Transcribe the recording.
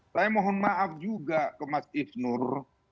saya mohon maaf juga ke mas isnur